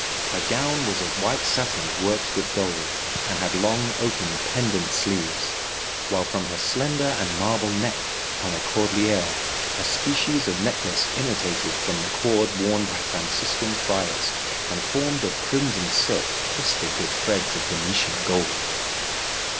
Her gown was of white satin worked with gold, and had long open pendent sleeves, while from her slender and marble neck hung a cordeliere a species of necklace imitated from the cord worn by Franciscan friars, and formed of crimson silk twisted with threads of Venetian gold..